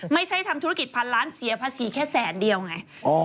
ไม่ใช่ทำธุรกิจพันล้านเสียภาษีแค่แสนเดียวไง